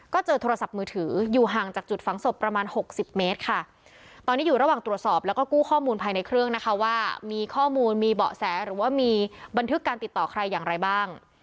ก็เจอโทรศัพท์มือถืออยู่ห่างจากจุดฝังศพประมาณหกสิบเมตรค่ะตอนนี้อยู่ระหว่างตรวจสอบแล้วก็กู้ข้อมูลภายในเครื่องนะคะว่ามีข้อมูลมีเบาะแสหรือว่ามีบันทึกการติดต่อใครอย่างไรบ้าง